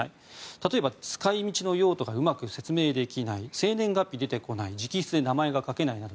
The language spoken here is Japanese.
例えば、使い道の用途がうまく説明できない生年月日が出てこない直筆で名前が書けないなど。